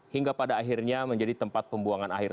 hingga pada akhirnya menjadi tempat pembuangan air